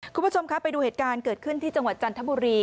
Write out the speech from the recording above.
คุณผู้ชมครับไปดูเหตุการณ์เกิดขึ้นที่จังหวัดจันทบุรี